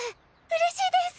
うれしいです！